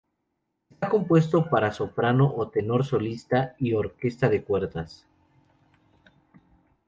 Está compuesto para soprano o tenor solista y orquesta de cuerdas.